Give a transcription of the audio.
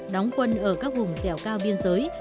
đóng quân ở các vùng dẻo cao biên giới